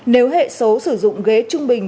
nếu hệ số sử dụng ghế trung bình